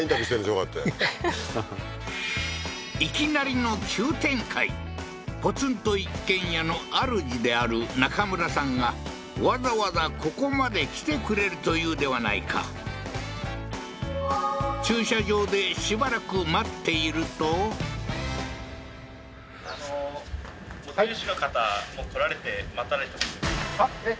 こうやっていきなりの急展開ポツンと一軒家のあるじであるナカムラさんがわざわざここまで来てくれるというではないか駐車場でしばらく待っているとあっえっ？